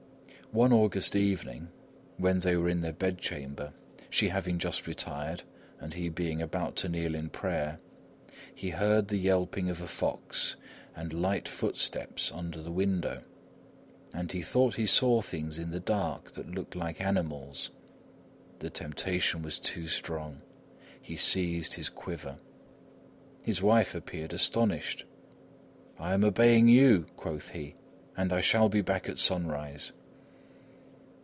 One August evening when they were in their bed chamber, she having just retired and he being about to kneel in prayer, he heard the yelping of a fox and light footsteps under the window; and he thought he saw things in the dark that looked like animals. The temptation was too strong. He seized his quiver. His wife appeared astonished. "I am obeying you," quoth he, "and I shall be back at sunrise."